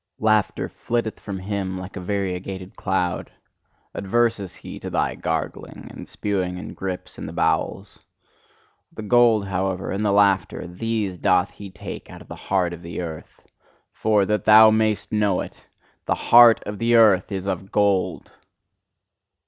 Laughter flitteth from him like a variegated cloud; adverse is he to thy gargling and spewing and grips in the bowels! The gold, however, and the laughter these doth he take out of the heart of the earth: for, that thou mayst know it, THE HEART OF THE EARTH IS OF GOLD."